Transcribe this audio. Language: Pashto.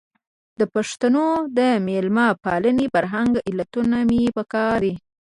د پښتنو د مېلمه پالنې فرهنګي علتونه مې په کار دي.